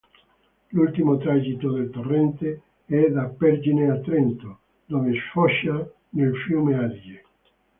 L'ultimo tragitto del torrente è da Pergine a Trento, dove sfocia nel Fiume Adige.